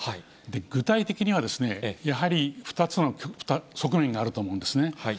具体的には、やはり２つの側面があると思うんですね。